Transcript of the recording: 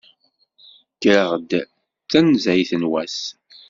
Kkreɣ-d tanzayt n wass.